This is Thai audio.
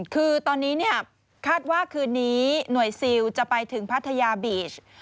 คือตอนนี้คาดว่าคืนนี้หน่วยซิลจะไปถึงพัทยาบีช